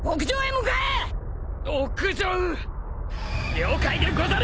了解でござる！